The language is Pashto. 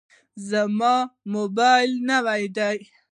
زما موبایل نوی دی.